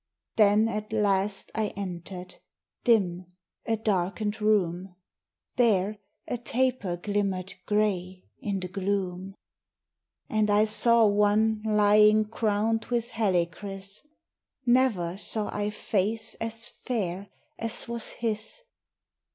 Then at last I entered, dim, a darkened room: There a taper glimmered gray in the gloom. And I saw one lying crowned with helichrys; Never saw I face as fair as was his.